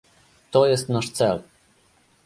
To jest nasz cel